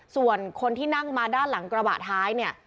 ส่วนคนที่นั่งมาด้านหลังกระบะท้ายเนี่ย